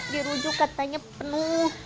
dirujuk katanya penuh